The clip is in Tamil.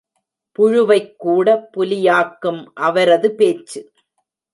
புழுவைக் கூட புலியாக்கும் அவரது பேச்சு.